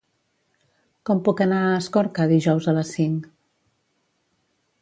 Com puc anar a Escorca dijous a les cinc?